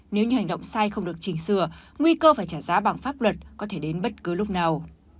nếu như hành động sai không được chỉnh sửa nguy cơ phải trả giá bằng pháp luật có thể đến bất cứ lúc nào